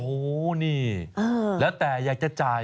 โอ้โหนี่แล้วแต่อยากจะจ่าย